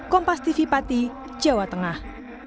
kompas tv pati jawa tengah